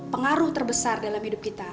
pengaruh terbesar dalam hidup kita